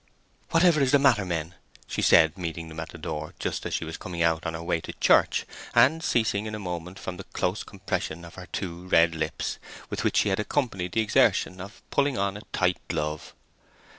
"Whatever is the matter, men?" she said, meeting them at the door just as she was coming out on her way to church, and ceasing in a moment from the close compression of her two red lips, with which she had accompanied the exertion of pulling on a tight glove.